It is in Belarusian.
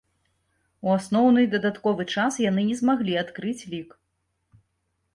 У асноўны і дадатковы час яны не змаглі адкрыць лік.